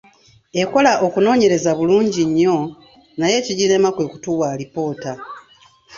Ekola okunoonyereza bulungi nnyo, naye ekigirema kwe kutuwa alipoota.